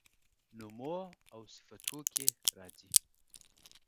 نومواوصفتوکي راځي